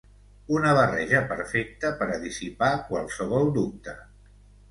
Una barreja perfecta per a dissipar qualsevol dubte.